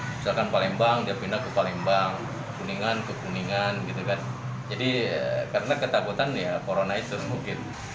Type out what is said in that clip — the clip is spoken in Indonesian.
misalkan palembang dia pindah ke palembang kuningan ke kuningan gitu kan jadi karena ketakutan ya corona itu mungkin